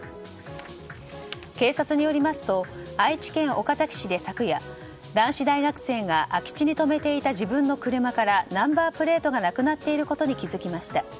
警察によりますと愛知県岡崎市で昨夜男子大学生が空き地に止めていた自分の車からナンバープレートがなくなっていることに気づきました。